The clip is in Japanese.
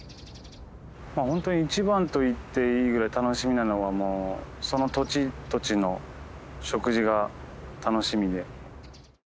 ホントに一番と言っていいぐらい楽しみなのはその土地土地の食事が楽しみで。